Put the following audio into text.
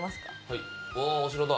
はいおおお城だ